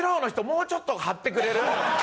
もうちょっと張ってくれる？